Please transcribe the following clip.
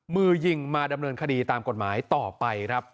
มือยิงมาดำเนินคดีตามกฎหมายต่อไปครับ